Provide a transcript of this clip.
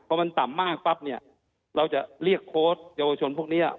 พอมันต่ำมากปั๊บเนี่ยเราจะเรียกโค้ชเยาวชนพวกนี้